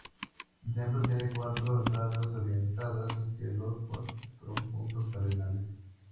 El templo tiene cuatro entradas, orientadas hacia los cuatro punto cardinales.